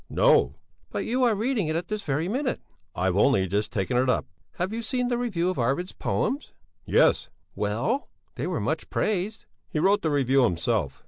"No!" "But you are reading it at this very minute!" "I've only just taken it up." "Have you seen the review of Arvid's poems?" "Yes." "Well? They were much praised." "He wrote the review himself."